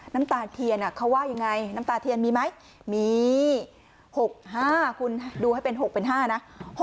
น้ำตาเทียนเขาว่ายังไงน้ำตาเทียนมีไหมมี๖๕คุณดูให้เป็น๖เป็น๕นะ